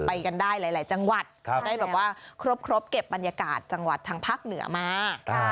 ไปกันได้หลายจังหวัดได้แบบว่าครบเก็บบรรยากาศจังหวัดทางภาคเหนือมา